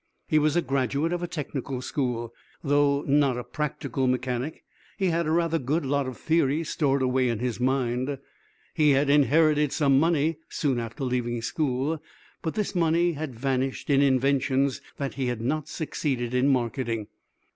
He was a graduate of a technical school. Though not a practical mechanic, he had a rather good lot of theory stored away in his mind. He had inherited some money, soon after leaving school, but this money had vanished in inventions that he had not succeeded in marketing.